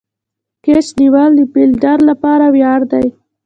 کېچ نیول د فیلډر له پاره ویاړ دئ.